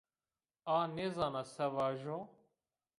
A nêzana se vajo